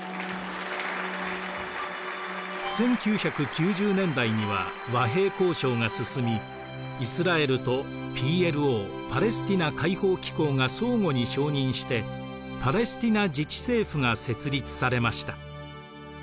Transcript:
１９９０年代には和平交渉が進みイスラエルとＰＬＯパレスティナ解放機構が相互に承認してパレスティナ自治政府が設立されました。